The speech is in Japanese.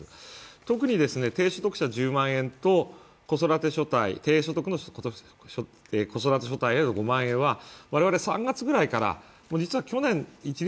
特に、低所得者１０万円と低所得者子育て所帯、５万円は我々３月ぐらいから、実は去年一律